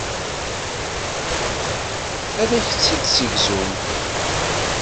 Ad ak-tt-id-ssegzun.